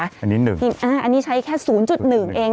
อันนี้๑อันนี้ใช้แค่๐๑เอง